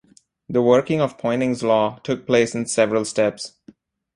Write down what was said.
The working of Poynings' Law took place in several steps.